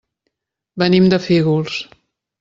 Venim de Fígols.